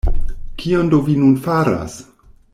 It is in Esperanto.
Kion do vi nun faras?